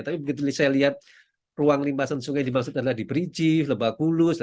tapi begitu saya lihat ruang limpasan sungai dimaksud adalah di berici lebakulus